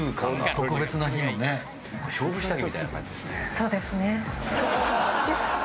「“そうですね”」